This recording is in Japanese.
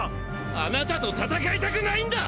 あなたと戦いたくないんだ！